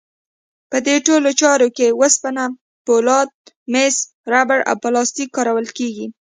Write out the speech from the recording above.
په دې ټولو چارو کې وسپنه، فولاد، مس، ربړ او پلاستیک کارول کېږي.